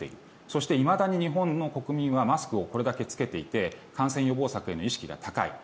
そして、いまだに日本の国民はマスクをこれだけ着けていて感染予防策への意識が高い。